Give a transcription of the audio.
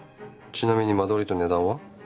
ちなみに間取りと値段は？